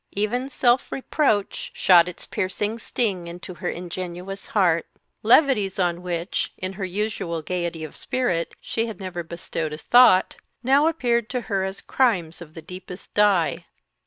Even self reproach shot its piercing sting into her ingenuous heart; levities on which, in her usual gaiety of spirit, she had never bestowed a thought, now appeared to her as crimes of the deepest dye.